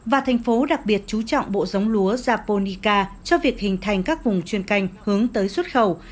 và thành phố đặc biệt chú trọng bộ giống lúa japonica cho việc hình thành các vùng chuyên canh hướng tới xuất khẩu